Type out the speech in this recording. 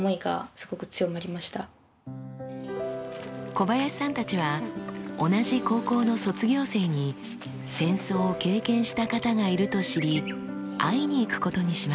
小林さんたちは同じ高校の卒業生に戦争を経験した方がいると知り会いに行くことにしました。